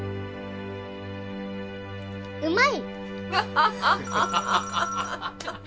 うまい！